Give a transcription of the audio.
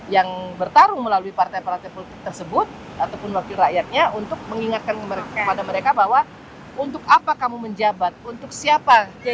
yang bertarung melalui partai partai politik tersebut ataupun wakil rakyatnya untuk mengingatkan kepada mereka bahwa untuk apa kamu menjabat untuk siapa